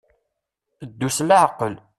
Ddu s leɛqel.